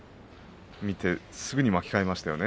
見てすぐに巻き替えました。